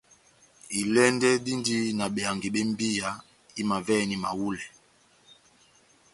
Ilɛ́ndɛ́ dindi na behangi bé mbiya imavɛhɛni mahulɛ.